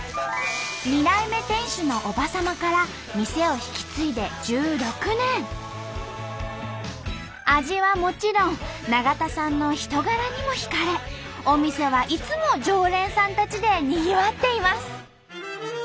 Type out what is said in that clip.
２代目店主の叔母様から味はもちろん永田さんの人柄にも惹かれお店はいつも常連さんたちでにぎわっています。